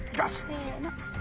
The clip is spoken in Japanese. せの。